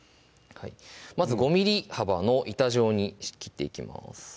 まず５ｍｍ幅の板状に切っていきます